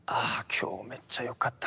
今日めっちゃよかった。